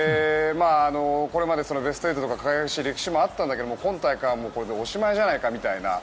これまでベスト８とか輝かしい歴史もあったんだけど今大会はこれでおしまいじゃないかというような。